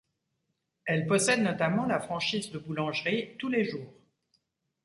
Elle possède notamment la franchise de boulangerie Tous les jours.